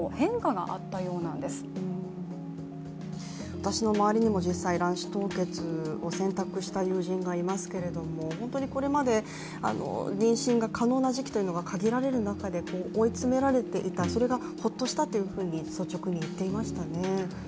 私の周りにも実際、卵子凍結を選択した友人がいますが本当にこれまで妊娠が可能な時期というのが限られる中で追い詰められていた、それがホッとしたと率直に言っていましたね。